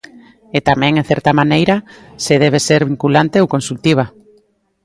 E tamén, en certa maneira, se debe ser vinculante ou consultiva.